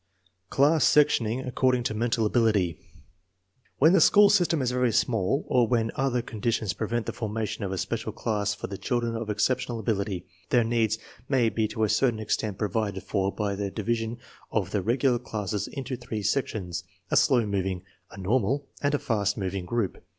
Class sectioning according to mental ability. When the school system is very small, or when other condi tions prevent the formation of a special class for the children of exceptional ability, their needs may be to a certain extent provided for by the division of the regu lar class into three sections: a slow moving, a normal, and a fast moving group.